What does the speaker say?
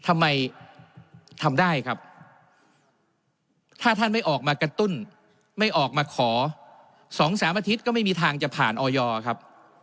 ทำไมทำได้ครับถ้าท่านไม่ออกมากระตุ้นไม่ออกมาขอ๒๓อาทิตย์ก็ไม่มีทางจะผ่านออยครับ